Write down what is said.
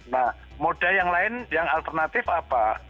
nah moda yang lain yang alternatif apa